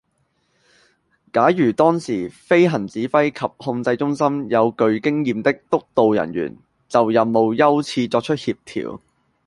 假如當時飛行指揮及控制中心有具經驗的督導人員就任務優次作出協調